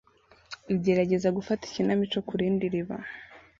igerageza gufata ikinamico kurindi riba